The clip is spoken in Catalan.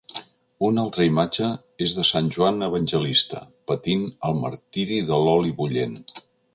Una altra imatge és de sant Joan Evangelista, patint el martiri de l'oli bullent.